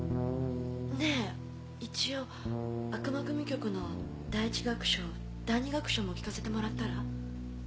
ねぇ一応『悪魔組曲』の第一楽章第二楽章も聴かせてもらったら？